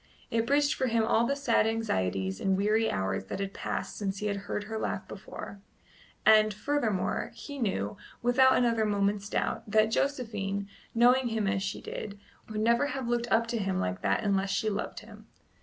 It bridged for him all the sad anxieties and weary hours that had passed since he had heard her laugh before; and, furthermore, he knew, without another moment's doubt, that Josephine, knowing him as she did, would never have looked up to him like that unless she loved him.